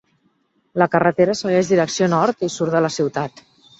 La carretera segueix direcció nord i surt de la ciutat.